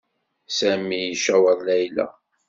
Sami i caweṛ Layla.